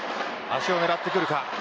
足を狙ってくるか。